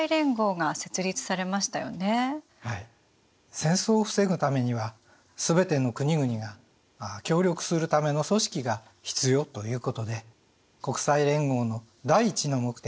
戦争を防ぐためには全ての国々が協力するための組織が必要ということで国際連合の第一の目的は世界平和の維持なんです。